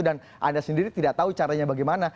dan anda sendiri tidak tahu caranya bagaimana